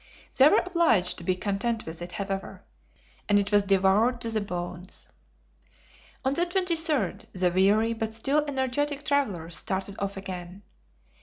They were obliged to be content with it, however, and it was devoured to the bones. On the 23d the weary but still energetic travelers started off again.